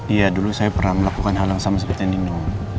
iya dulu saya pernah melakukan hal yang sama seperti nino